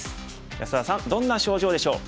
安田さんどんな症状でしょう？